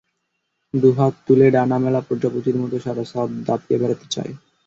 দুহাত তুলে ডানা মেলা প্রজাপ্রতির মতো সারা ছাদ দাপিয়ে বেড়াতে চায়।